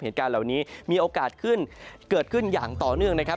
เหตุการณ์เหล่านี้มีโอกาสขึ้นเกิดขึ้นอย่างต่อเนื่องนะครับ